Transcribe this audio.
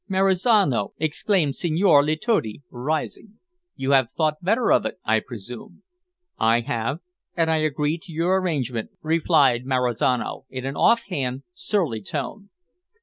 Marizano," exclaimed Senhor Letotti, rising, "you have thought better of it, I presume?" "I have, and I agree to your arrangement," replied Marizano, in an off hand, surly tone.